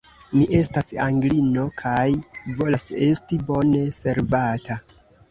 Mi estas Anglino, kaj volas esti bone servata.